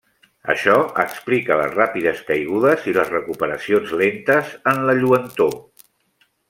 Això explica les ràpides caigudes i les recuperacions lentes en la lluentor.